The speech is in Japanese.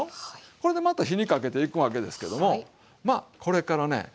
これでまた火にかけていくわけですけどもこれからね